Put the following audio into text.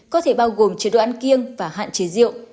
có thể bao gồm chế độ ăn kiêng và hạn chế rượu